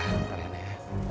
ntar ya ntar ya